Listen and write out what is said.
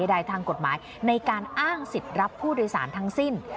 ใดทางกฎหมายในการอ้างสิทธิ์รับผู้โดยสารทั้งสิ้น